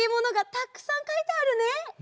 たくさんかいてあるね！